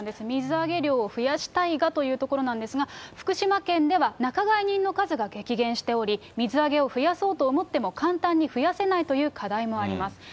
水揚げ量を増やしたいがというところなんですが、福島県では仲買人の数が激減しており、水揚げを増やそうと思っても、簡単に増やせないという課題もあります。